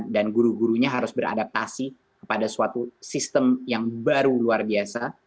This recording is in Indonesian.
guru gurunya harus beradaptasi kepada suatu sistem yang baru luar biasa